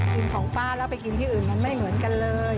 กินของป้าแล้วไปกินที่อื่นมันไม่เหมือนกันเลย